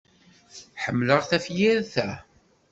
Ḥemmleɣ tafyirt-a.